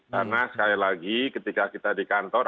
karena sekali lagi ketika kita di kantor